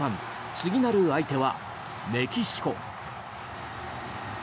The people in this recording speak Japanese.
次なる相手はメキシコ。